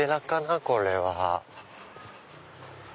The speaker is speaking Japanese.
これは。